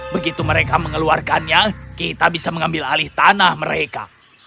begitu mereka mengeluarkannya kita bisa mengambil alih tanah mereka